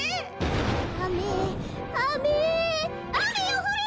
あめあめあめよふれ！